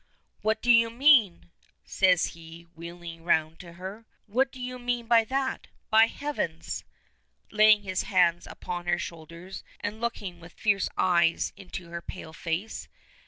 "What do you mean?" says he, wheeling round to her. "What do you mean by that? By heavens!" laying his hands upon her shoulders, and looking with fierce eyes into her pale face.